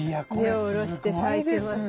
根を下ろして咲いてますね。